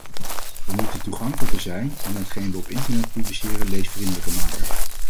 We moeten toegankelijker zijn en hetgeen we op internet publiceren leesvriendelijker maken.